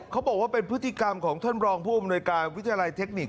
เขาบอกว่าเป็นพฤติกรรมของท่านรองผู้อำนวยการวิทยาลัยเทคนิค